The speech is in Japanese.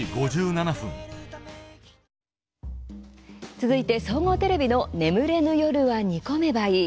続いて総合テレビの「眠れぬ夜は、煮込めばいい」。